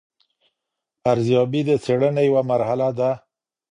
ارزیابي د څېړنې یوه مرحله ده.